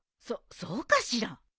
そそうかしら？